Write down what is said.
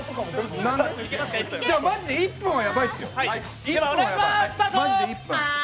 マジで１分はやばいっすよ。